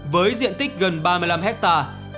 với diện tích gần ba mươi năm hectare